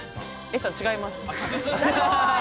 Ｓさん、違います。